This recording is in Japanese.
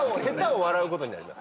下手を笑うことに。